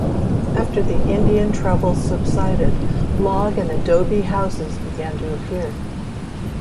After the Indian troubles subsided, log and adobe houses began to appear.